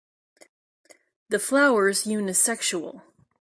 The flowers unisexual.